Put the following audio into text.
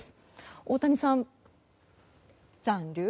大谷さん、残留？